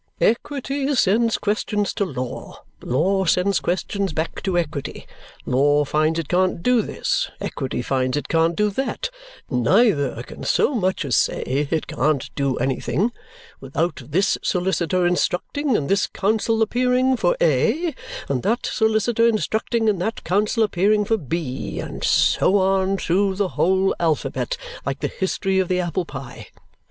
Equity sends questions to law, law sends questions back to equity; law finds it can't do this, equity finds it can't do that; neither can so much as say it can't do anything, without this solicitor instructing and this counsel appearing for A, and that solicitor instructing and that counsel appearing for B; and so on through the whole alphabet, like the history of the apple pie.